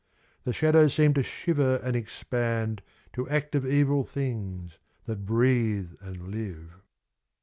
The shadows seem to shiver and expand To active evil things that breathe and live.